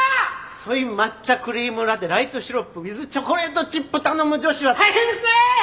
ソイ抹茶クリームラテライトシロップウィズチョコレートチップ頼む女子は大変ですねー！